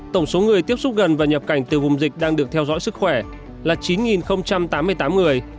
tổng số người tiếp xúc gần và nhập cảnh từ vùng dịch đang được theo dõi sức khỏe là chín tám mươi tám người